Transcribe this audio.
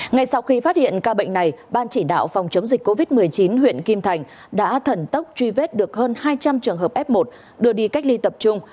ngay sau khi phát hiện ca bệnh này ban chỉ đạo phòng chống dịch covid một mươi chín huyện kim thành đã thần tốc truy vết được hơn hai trăm linh trường hợp f một đưa đi cách ly tập trung